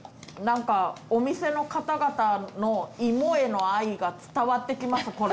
何かお店の方々の芋への愛が伝わってきます。